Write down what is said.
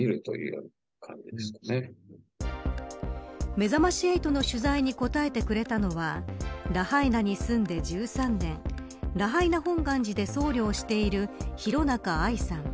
めざまし８の取材に答えてくれたのはラハイナに住んで１３年ラハイナ本願寺で僧侶をしている広中愛さん。